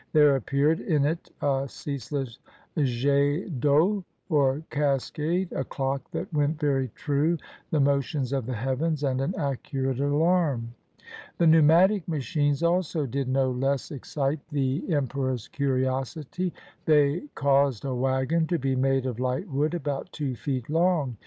There appeared in it a ceaseless jet d'eau, or cascade, a clock that went very true, the motions of the heavens, and an accurate alarm. The pneumatic machines also did no less excite the 158 TEACHING SCIENCE TO THE EMPEROR emperor's curiosity. They caused a wagon to be made of light wood about two feet long.